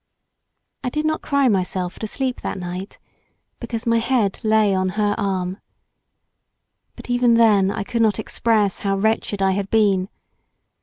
I did not cry myself to sleep that night, because my head lay on her arm. But even then I could not express bow wretched I had been.